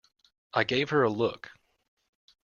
I gave her a look.